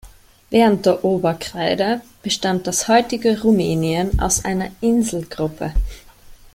Während der Oberkreide bestand das heutige Rumänien aus einer Inselgruppe.